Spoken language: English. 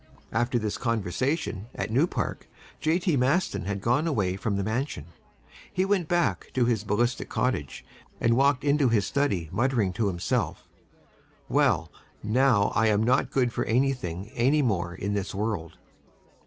After this conversation at New Park, J. T. Maston had gone away from the mansion. He went back to his Ballistic Cottage and walked into his study muttering to himself: "Well, now I am not good for anything any more in this world."